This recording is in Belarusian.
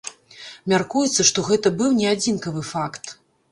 Мяркуецца, што гэта быў не адзінкавы факт.